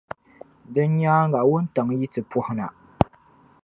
Di nyaaŋa wuntaŋ' yi ti puhi na.